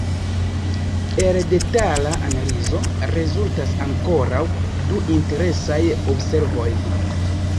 El detala analizo rezultas ankoraŭ du interesaj observoj.